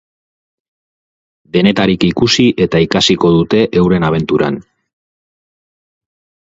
Denetarik ikusi eta ikasiko dute euren abenturan.